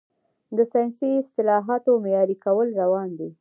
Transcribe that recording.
د ساینسي اصطلاحاتو معیاري کول روان دي.